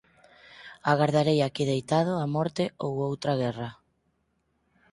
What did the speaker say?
Agardarei aquí deitado a morte ou outra guerra.